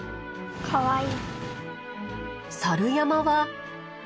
かわいい。